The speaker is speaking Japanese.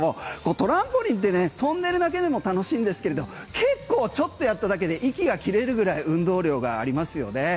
トランポリンって跳んでるだけでも楽しいんですけど結構ちょっとやっただけで息が切れるぐらい運動量がありますよね。